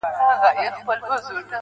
ته خو له هري ښيښې وځې و ښيښې ته ورځې.